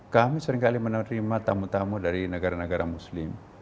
kami seringkali menerima tamu tamu dari negara negara muslim